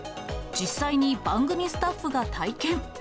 実際に番組スタッフが体験。